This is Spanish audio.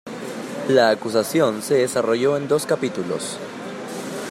La acusación se desarrolló en dos capítulos.